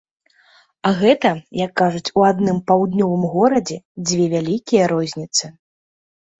А гэта, як кажуць у адным паўднёвым горадзе, дзве вялікія розніцы.